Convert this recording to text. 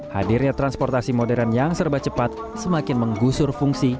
hadirnya transportasi modern yang serba cepat semakin menggusur fungsi